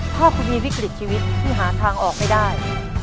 ถ้าคุณมีวิกฤตชีวิตที่หาทางออกไม่ได้